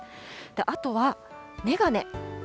あとは眼鏡。